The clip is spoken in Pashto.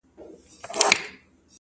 تیاره وریځ ده، باد دی باران دی،